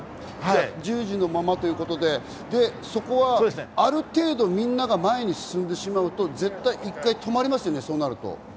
１０時のままということで、そこはある程度みんなが前に進んでしまうと、絶対１回止まりますよね？